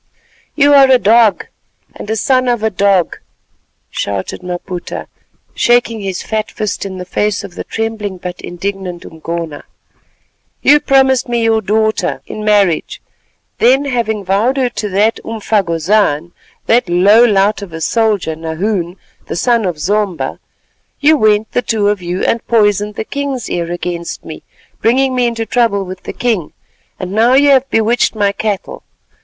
"You are a dog, and a son of a dog," shouted Maputa, shaking his fat fist in the face of the trembling but indignant Umgona. "You promised me your daughter in marriage, then having vowed her to that umfagozan—that low lout of a soldier, Nahoon, the son of Zomba—you went, the two of you, and poisoned the king's ear against me, bringing me into trouble with the king, and now you have bewitched my cattle.